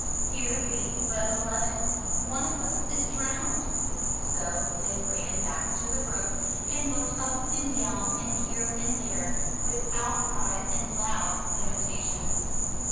"Here be but eleven. One of us is drowned!" So they ran back to the brook, and looked up and down, and here and there with outcries and loud lamentations.